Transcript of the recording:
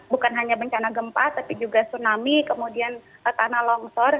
bukan hanya bencana gempa tapi juga tsunami kemudian tanah longsor